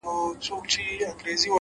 وخت د پریکړو ارزښت زیاتوي؛